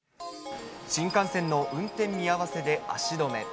新幹線の運転見合わせで足止め。